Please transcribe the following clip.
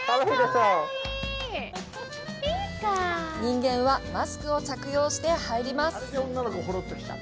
人間はマスクを着用して入ります。